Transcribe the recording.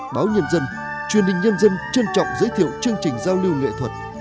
báo nhân dân truyền hình nhân dân trân trọng giới thiệu chương trình giao lưu nghệ thuật